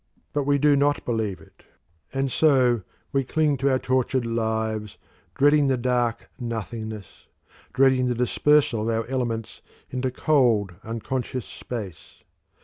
But we do not believe it, and so we cling to our tortured lives, dreading the dark nothingness, dreading the dispersal of our elements into cold, unconscious space.